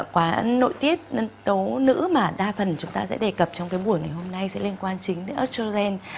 quá nội tiết tố nữ mà đa phần chúng ta sẽ đề cập trong buổi ngày hôm nay sẽ liên quan chính đến estrogen